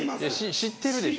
知ってるでしょ。